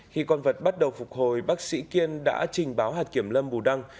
khi con vật bắt đầu phục hồi bác sĩ kiên đã trình báo hạt kiểm lâm bù đăng